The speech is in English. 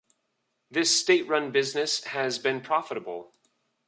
This state-run business has been profitable.